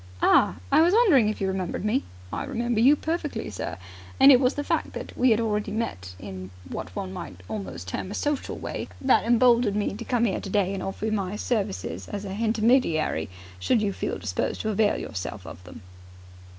"Ah, I was wondering if you remembered me!" "I remember you perfectly, sir, and it was the fact that we had already met in what one might almost term a social way that emboldened me to come 'ere today and offer you my services as a hintermediary, should you feel disposed to avail yourself of them."